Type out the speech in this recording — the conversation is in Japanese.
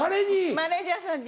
マネジャーさんに。